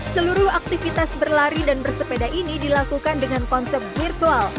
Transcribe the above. seluruh aktivitas berlari dan bersepeda ini dilakukan dengan konsep virtual